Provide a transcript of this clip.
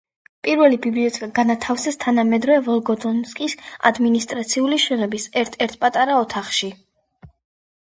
პირველი ბიბლიოთეკა განათავსეს თანამედროვე ვოლგოდონსკის ადმინისტრაციული შენობის ერთ-ერთ პატარა ოთახში.